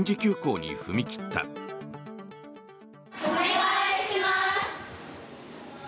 お願いします。